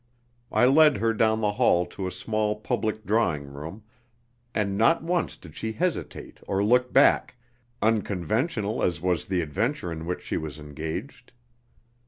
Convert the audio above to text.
I led her down the hall to a small public drawing room, and not once did she hesitate or look back, unconventional as was the adventure in which she was engaged.